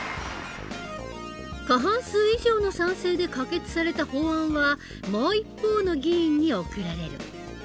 過半数以上の賛成で可決された法案はもう一方の議員に送られる。